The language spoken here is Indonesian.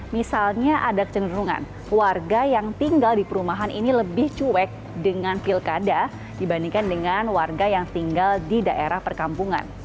misalnya ada kecenderungan warga yang tinggal di perumahan ini lebih cuek dengan pilkada dibandingkan dengan warga yang tinggal di daerah perkampungan